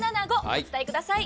お伝えください。